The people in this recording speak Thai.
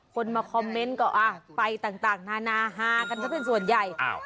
คนมาคอมเมนต์ก็อ่าไปต่างต่างนานาหากันก็เป็นส่วนใหญ่อ้าว